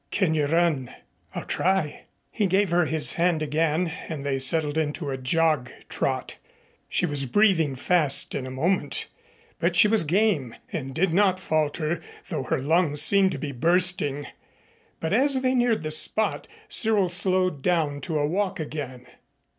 Can you run?" "I'll try." He gave her his hand again, and they settled into a jog trot. She was breathing fast in a moment, but she was game and did not falter, though her lungs seemed to be bursting. But as they neared the spot, Cyril slowed down to a walk again.